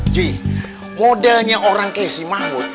ji modelnya orang kayak si mahmud